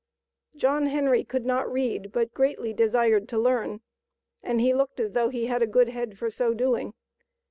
John Henry could not read, but greatly desired to learn, and he looked as though he had a good head for so doing.